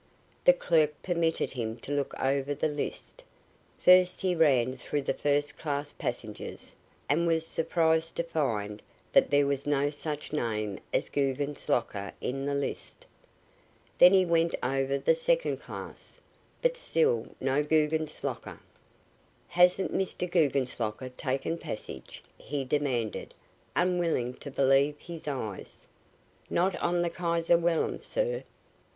The clerk permitted him to look over the list. First he ran through the first class passengers, and was surprised to find that there was no such name as Guggenslocker in the list. Then he went over the second class, but still no Guggenslocker. "Hasn't Mr. Guggenslocker taken passage?" he demanded, unwilling to believe his eyes. "Not on the Kaiser Wilhelm, sir."